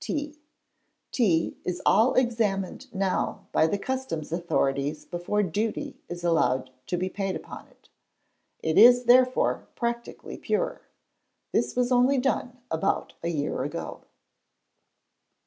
Tea is all examined now by the Customs' authorities before "duty" is allowed to be paid upon it; it is, therefore, practically pure. This was only done about a year ago.